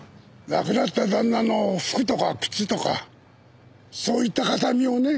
亡くなった旦那の服とか靴とかそういった形見をね。